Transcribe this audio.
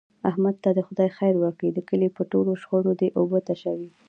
احمد ته دې خدای خیر ورکړي د کلي په ټولو شخړو دی اوبه تشوي.